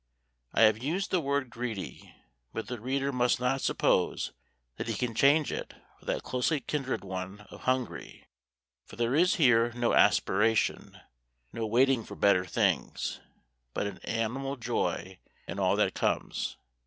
I have used the word greedy, but the reader must not suppose that he can change it for that closely kindred one of hungry, for there is here no aspiration, no waiting for better things, but an animal joy in all that comes.